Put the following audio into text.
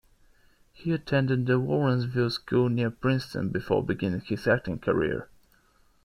He attended The Lawrenceville School near Princeton before beginning his acting career.